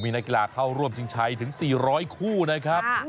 นักกีฬาเข้าร่วมชิงชัยถึง๔๐๐คู่นะครับ